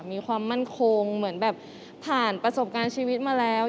มีความมั่นคงเหมือนแบบผ่านประสบการณ์ชีวิตมาแล้ว